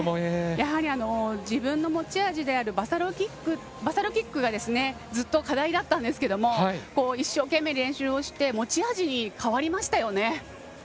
やはり自分の持ち味であるバサロキックがずっと課題だったんですけど一生懸命練習をして、持ち味に変わりましたよね。